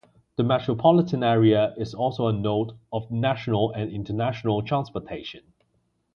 The metropolitan area is also a node of national and international transportation.